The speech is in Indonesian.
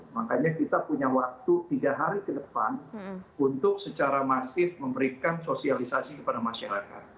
makanya kita punya waktu tiga hari ke depan untuk secara masif memberikan sosialisasi kepada masyarakat